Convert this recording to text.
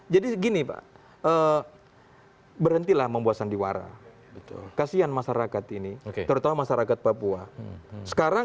jadi gini pak berhentilah membuasan diwara kasian masyarakat ini terutama masyarakat papua sekarang